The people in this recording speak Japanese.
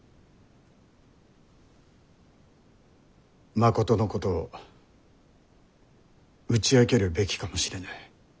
まことのことを打ち明けるべきかもしれぬ。